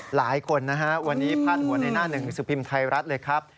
หลายคนนะฮะวันนี้พาดหัวในหน้าหนึ่งสิบพิมพ์ไทยรัฐเลยครับ